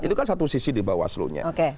itu kan satu sisi di bawaslu nya